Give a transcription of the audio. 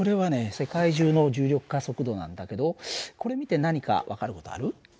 世界中の重力加速度なんだけどこれ見て何か分かる事ある？